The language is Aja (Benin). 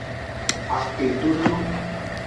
Akpedodo.